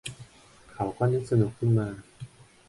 เขานึกสนุกขึ้นมา